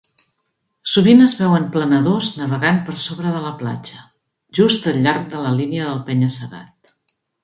Sovint es veuen planadors navegant per sobre de la platja, just al llarg de la línia del penya-segat.